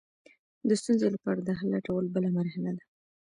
د ستونزې لپاره د حل لټول بله مرحله ده.